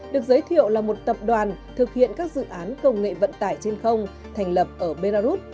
được giới thiệu là một tập đoàn thực hiện các dự án công nghệ vận tải trên không thành lập ở belarus